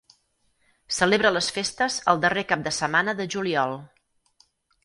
Celebra les festes el darrer cap de setmana de juliol.